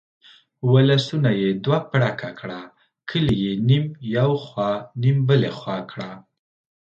ولسونه یې دوه پړکه کړه، کلي یې نیم یو خوا نیم بلې خوا کړه.